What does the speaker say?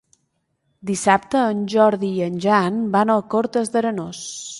Dissabte en Jordi i en Jan van a Cortes d'Arenós.